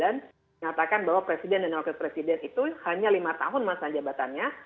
mengatakan bahwa presiden dan wakil presiden itu hanya lima tahun masa jabatannya